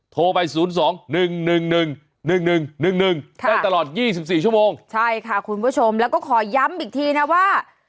โทรไป๐๒๑๑๑๑๑๑๑๑ได้ตลอด๒๔ชั่วโมงใช่ค่ะคุณผู้ชมแล้วก็ขอย้ำอีกทีนะว่า